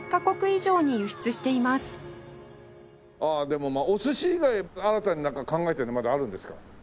でもお寿司以外新たに考えてるのはまだあるんですか？